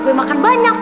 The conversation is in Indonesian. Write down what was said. gue makan banyak